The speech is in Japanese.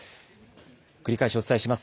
繰り返しお伝えします。